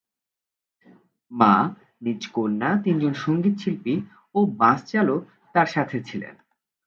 মা, নিজ কন্যা, তিনজন সঙ্গীতশিল্পী ও বাস চালক তাঁর সাথে ছিলেন।